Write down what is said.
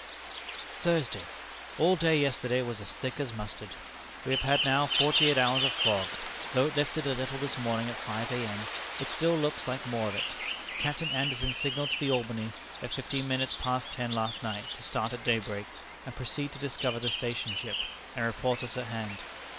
"Thursday. All day yesterday it was as 'thick as mustard.' We have had now forty eight hours of fog. Though it lifted a little this morning, at five A.M., it still looks like more of it. Captain Anderson signalled to the Albany, at fifteen minutes past ten last night, to start at daybreak, and proceed to discover the station ship, and report us at hand.